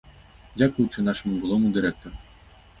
Дзякуючы нашаму былому дырэктару.